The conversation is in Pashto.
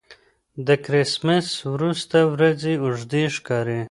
د کرېسمېس وروسته ورځې اوږدې ښکاري.